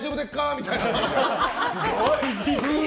みたいな。